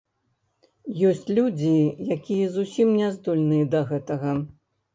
Ёсць людзі, якія зусім не здольныя да гэтага.